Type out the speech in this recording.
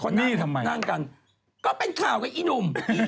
นี่ก็เป็นข่าวให้อีหนุ่ม